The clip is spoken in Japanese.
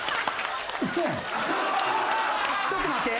ちょっと待って。